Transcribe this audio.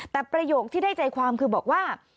แต่ประโยคที่ได้ใจความคือบอกว่า